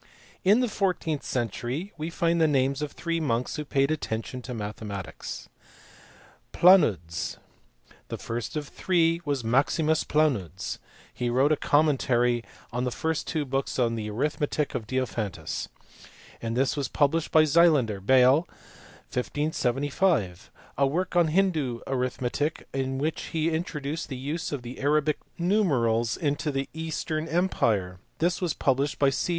In the fourteenth century we find the names of three monks who paid attention to mathematics. Planudes. The first of the three was Maximus Planudes ; he wrote a commentary on the first two books of the Arithmetic of Diophantus; this was published by Xylander, Bale, 1575: a work on Hindoo arithmetic in which he introduced the use of the Arabic numerals into the eastern empire ; this was published by C.